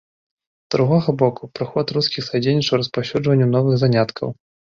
З другога боку, прыход рускіх садзейнічаў распаўсюджанню новых заняткаў.